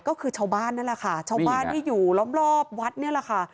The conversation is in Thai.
ก็คือชาวบ้านนั่นแหละค่ะชาวบ้านที่อยู่รอบวัดนี่แหละค่ะ